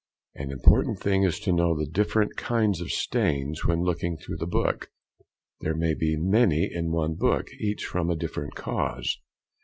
An important thing is to know the different kinds of stains when looking through the book; there may be many in one book, each from a different cause.